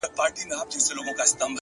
پایښت له ثابت قدمۍ راځي!.